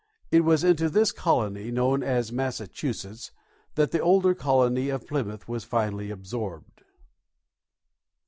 It was into this colony, known as Massachusetts, that the older colony of Plymouth was finally absorbed.